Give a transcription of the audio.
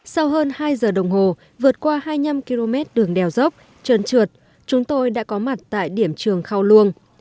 sau hơn hai giờ đồng hồ vượt qua hai mươi năm km đường đèo dốc trơn trượt chúng tôi đã có mặt tại điểm trường khao luông